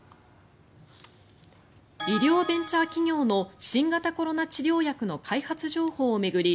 医療ベンチャー企業の新型コロナ治療薬の開発情報を巡り